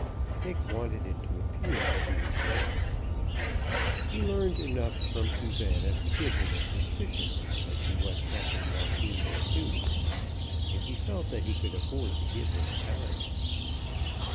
Dick wanted it to appear that he was dead. He learned enough from Susana to give him a suspicion as to what Captain Joaquin would do, and he felt that he could afford to give him time.